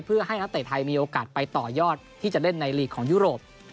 เพื่อให้นักเตะไทยมีโอกาสไปต่อยอดที่จะเล่นในลีกของยุโรป